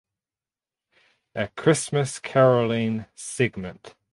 A Christmas Caroling segment.